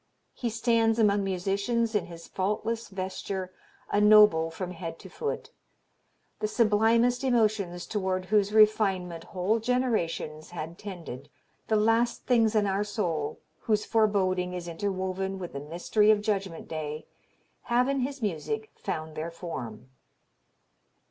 He stands among musicians in his faultless vesture, a noble from head to foot. The sublimest emotions toward whose refinement whole generations had tended, the last things in our soul, whose foreboding is interwoven with the mystery of Judgment Day, have in his music found their form.